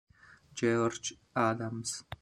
George Adams